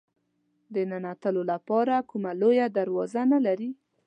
د ننوتلو لپاره کومه لویه دروازه نه لري.